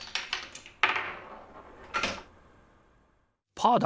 パーだ！